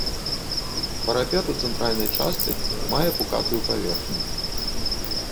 Парапет у цэнтральнай частцы мае пукатую паверхню.